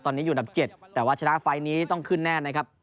ตอนนี้อยู่อันดับ๗แต่ว่าชนะไฟล์นี้ต้องขึ้นแน่นะครับ